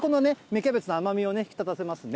キャベツの甘みを引き立たせますね。